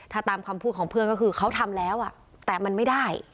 ถ้าตามคำพูดของเพื่อนก็คือเขาทำแล้วแต่มันไม่ได้